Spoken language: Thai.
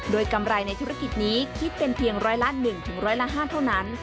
โดยกำไรในธุรกิจนี้คิดเป็นเพียงร้อยละ๑ร้อยละ๕เท่านั้น